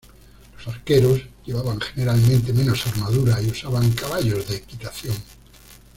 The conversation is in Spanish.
Los arqueros llevaban generalmente menos armadura y usaban caballos de equitación.